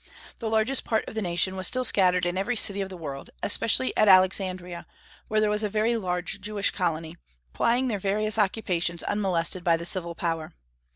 The largest part of the nation was still scattered in every city of the world, especially at Alexandria, where there was a very large Jewish colony, plying their various occupations unmolested by the civil power.